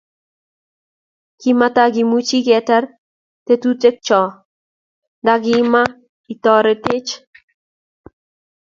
kimatakimuchi ketar tetutikcho, ntokima itoretech